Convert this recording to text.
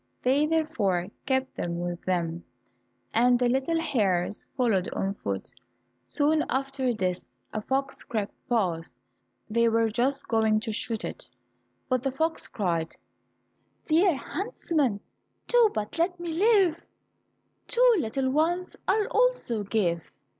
They therefore kept them with them, and the little hares followed on foot. Soon after this, a fox crept past; they were just going to shoot it, but the fox cried, "Dear hunstman, do but let me live, Two little ones I'll also give."